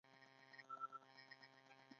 د تاشقرغان انځر مشهور دي